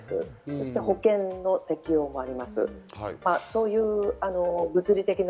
そして保険の適用があります。